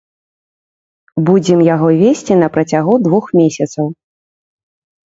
Будзем яго весці на працягу двух месяцаў.